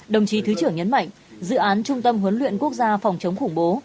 đồng chí thứ trưởng nhấn mạnh dự án trung tâm huấn luyện quốc gia phòng chống khủng bố